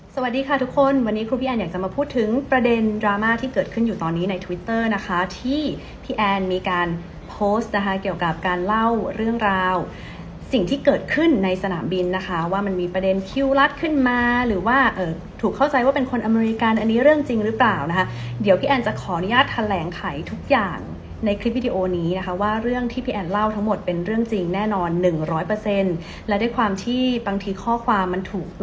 สวัสดีค่ะทุกคนวันนี้ครูพี่แอนอยากจะมาพูดถึงประเด็นดราม่าที่เกิดขึ้นอยู่ตอนนี้ในทวิตเตอร์นะคะที่พี่แอนมีการโพสต์นะคะเกี่ยวกับการเล่าเรื่องราวสิ่งที่เกิดขึ้นในสนามบินนะคะว่ามันมีประเด็นคิวลัดขึ้นมาหรือว่าเอ่อถูกเข้าใจว่าเป็นคนอเมริกาอันนี้เรื่องจริงหรือเปล่านะคะเดี๋ยวพี่แอนจะขออนุญาตแถ